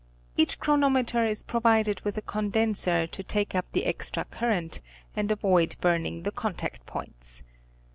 Each chronometer is provided with a condenser to take up the extra current, and avoid burning the contact points.